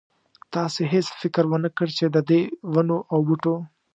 تاسې هېڅ فکر ونه کړ چې ددې ونو او بوټو.